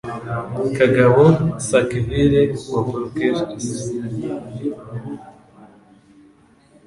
Kagabo Sackville wa Buckhurst, mu bucuruzi bwo gukora amasasu,